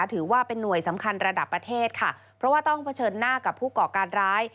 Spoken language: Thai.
ถือว่าเป็นหน่วยสำคัญระดับประเทศค่ะเพราะว่าต้องเผชิญหน้ากับผู้ก่อการร้าย